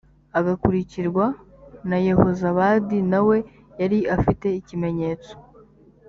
agakurikirwa na yehozabadi na we yari afite ikimenyetso